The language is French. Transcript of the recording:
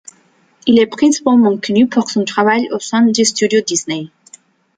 Il est principalement connu pour son travail au sein de studios Disney.